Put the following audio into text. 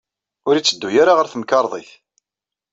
Ur yetteddu ara ɣer temkarḍit.